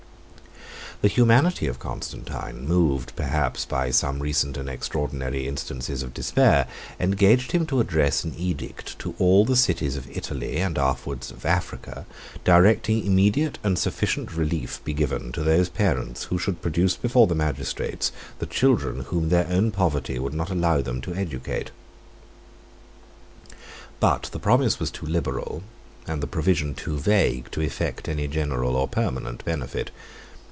The humanity of Constantine, moved, perhaps, by some recent and extraordinary instances of despair, engaged him to address an edict to all the cities of Italy, and afterwards of Africa, directing immediate and sufficient relief to be given to those parents who should produce before the magistrates the children whom their own poverty would not allow them to educate. But the promise was too liberal, and the provision too vague, to effect any general or permanent benefit.